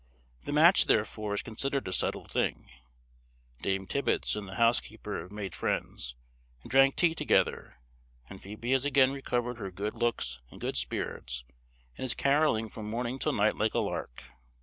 The match, therefore, is considered a settled thing; Dame Tibbets and the housekeeper have made friends, and drank tea together; and Phoebe has again recovered her good looks and good spirits, and is carolling from morning till night like a lark.